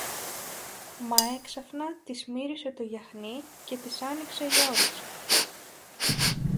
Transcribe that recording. Μα έξαφνα της μύρισε το γιαχνί και της άνοιξε η όρεξη.